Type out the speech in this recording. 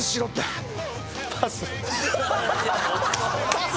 パス！